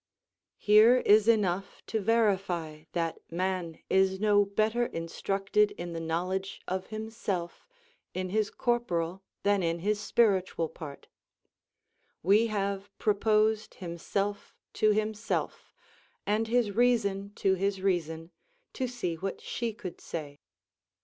Here is enough to verify that man is no better instructed in the knowledge of himself, in his corporal than in his spiritual part We have proposed himself to himself, and his reason to his reason, to see what she could say.